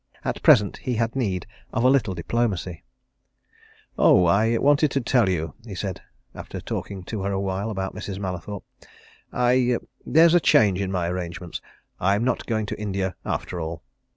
At present he had need of a little diplomacy. "Oh! I wanted to tell you," he said, after talking to her awhile about Mrs. Mallathorpe. "I there's a change in my arrangements, I'm not going to India, after all."